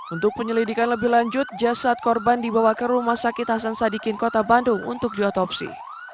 untuk penyelidikan lebih lanjut jasad korban dibawa ke rumah sakit hasan sadikin kota bandung untuk diotopsi